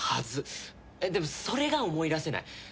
でもそれが思い出せない。